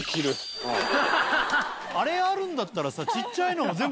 あれあるんだったら。